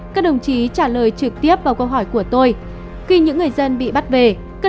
các đồng chí trả lời trực tiếp vào câu hỏi của tôi